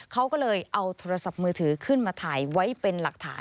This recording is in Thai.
เขาก็เลยเอาโทรศัพท์มือถือขึ้นมาถ่ายไว้เป็นหลักฐาน